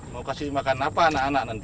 mau kasih makan apa anak anak nanti